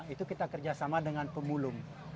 itu kita kerjasama dengan pemulung